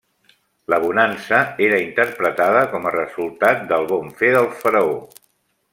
La bonança era interpretada com a resultat del bon fer del faraó.